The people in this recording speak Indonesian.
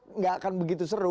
tidak akan begitu seru